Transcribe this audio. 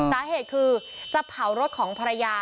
สาเหตุคือจะเผารถของภรรยา